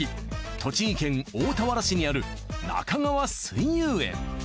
栃木県大田原市にあるなかがわ水遊園。